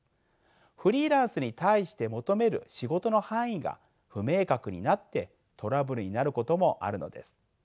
フリーランスに対して求める仕事の範囲が不明確になってトラブルになることもあるのです。